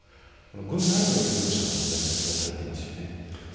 軍内部の協力者の存在も取り沙汰されていますよね。